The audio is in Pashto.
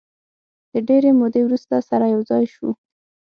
د ډېرې مودې وروسته سره یو ځای شوو.